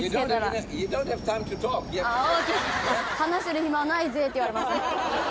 「話してる暇はないぜ」って言われました。